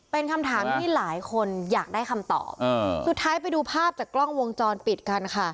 เป็นคำถามที่หลายคนอยากได้คำตอบสุดท้ายไปดูภาพจากกล้องวงจรปิดกันค่ะ